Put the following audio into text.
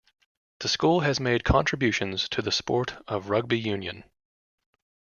The school has made contributions to the sport of rugby union.